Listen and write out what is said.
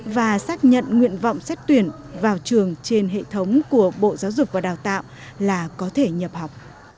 và xác nhận nguyện vọng xét tuyển vào trường trên hệ thống của bộ giáo dục và đào tạo là có thể nhập học